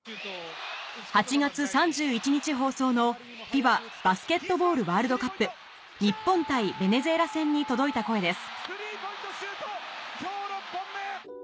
８月３１日放送の『ＦＩＢＡバスケットボールワールドカップ』日本対ベネズエラ戦に届いた声です